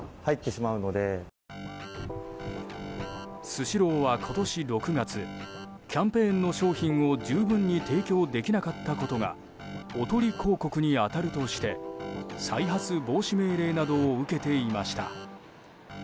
スシローは今年６月キャンペーンの商品を十分に提供できなかったことがおとり広告に当たるとして再発防止命令などを受けていました。